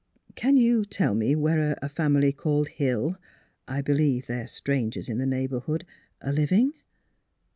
Can you tell me where a family called Hill — I believe they are strangers in the neighbour hood — are living?